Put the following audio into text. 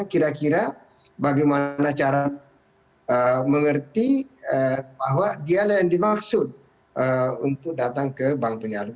kira kira bagaimana cara mengerti bahwa dialah yang dimaksud untuk datang ke bank penyalur